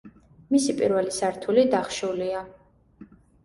მისი პირველი სართული დახშულია.